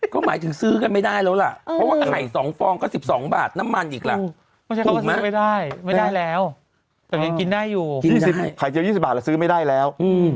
ก็หมายถึงซื้อกันไม่ได้แล้วล่ะเพราะว่าไข่๒ฟองก็๑๒บาทน้ำมันอีกล่ะถูกไหมไม่ได้แล้วแต่ยังกินได้อยู่กินไข่เจียว๒๐บาทแล้วซื้อไม่ได้แล้ว